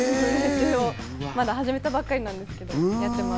まだ始めたばかりなんですけど。